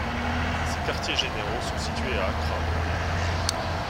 Ses quartiers-généraux sont situés à Accra.